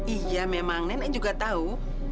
iya memang nenek juga tahu